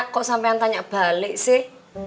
kok sampe ane tanya balik sih